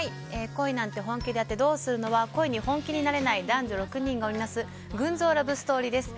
「恋なんて、本気でやってどうするの？」は恋に本気になれない男女６人が織りなす群像ラブストーリーです。